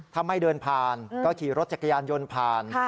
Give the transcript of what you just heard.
ถ้าไม่เดินผ่านก็ขี่รถจักรยานยนต์ผ่าน